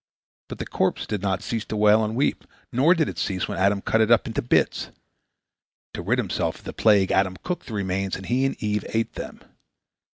But the corpse did not cease to wail and weep, nor did it cease when Adam cut it up into bits. To rid himself of the plague, Adam cooked the remains, and he and Eve ate them.